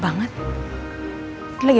aku kasih tau